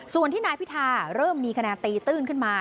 ส่วนที่นายพิธาเริ่มมีคะแนนตีตื้นขึ้นมา